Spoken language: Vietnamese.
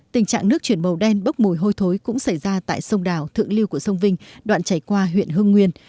tình trạng nước chuyển màu đen bốc mùi hôi thối cũng xảy ra tại sông đào thượng lưu của sông vinh đoạn chảy qua huyện hương nguyên